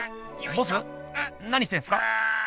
ボス何してんすか？